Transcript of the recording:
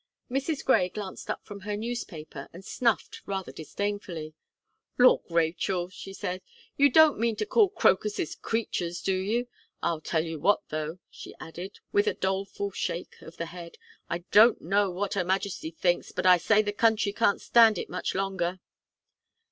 Mrs. Gray glanced up from her newspaper, and snuffed rather disdainfully. "Lawk, Rachel!" she said, "you don't mean to call crocuses creatures do you? I'll tell you what though," she added, with a doleful shake of the head, "I don't know what Her Majesty thinks; but I say the country can't stand it much longer."